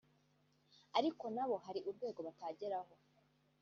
ariko na bo hari urwego batarageraho